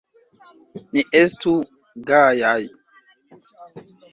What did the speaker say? Ni estu gajaj!